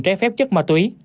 trái phép chất ma túy